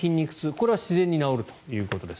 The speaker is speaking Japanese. これは自然に治るということです。